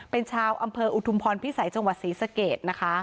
เป็นชาวอำเภออุทุมพรพิสัยจังหวัดศรีสเกตนะคะ